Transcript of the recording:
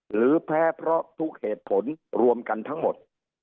หรือแพ้เพราะทุกเหตุผลรวมกันทั้งหมด